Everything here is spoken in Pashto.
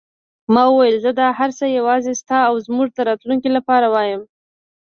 ما وویل: زه دا هر څه یوازې ستا او زموږ د راتلونکې لپاره وایم.